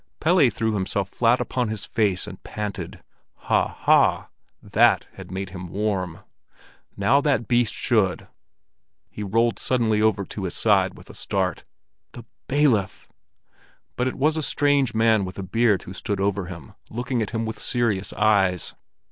Pelle threw himself flat upon his face, and panted. Ha, ha! That had made him warm! Now that beast should—He rolled suddenly over on to his side with a start. The bailiff! But it was a strange man with a beard who stood over him, looking at him with serious eyes.